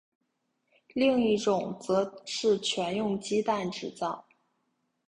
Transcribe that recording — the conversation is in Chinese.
另一种则是全用鸡蛋制造。